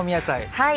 はい。